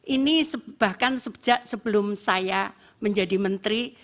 ini bahkan sejak sebelum saya menjadi menteri